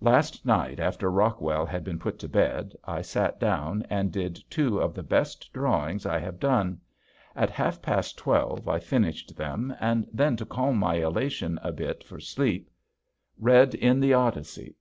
Last night after Rockwell had been put to bed I sat down and did two of the best drawings I have made. At half past twelve I finished them, and then to calm my elation a bit for sleep read in the "Odyssey."